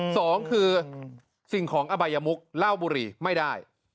สองคือสิ่งของอบายมุกเหล้าบุรีไม่ได้